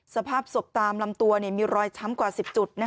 สภาพศพตามลำตัวมีรอยช้ำกว่า๑๐จุด